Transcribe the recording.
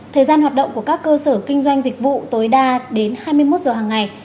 thời gian hoạt động của các cơ sở kinh doanh dịch vụ tối đa đến hai mươi một giờ hàng ngày